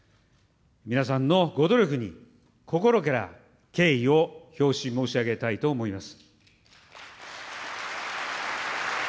皆さんのご努力に、心から敬意を表し申し上げたいと思います。